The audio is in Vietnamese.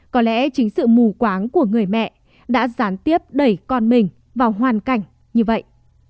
có lẽ chính sự mù quáng của người mẹ đã gián tiếp đẩy con mình vào hoàn cảnh như vậy